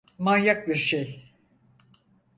Manyak bir şey.